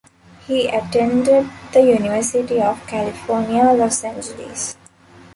He attended the University of California Los Angeles.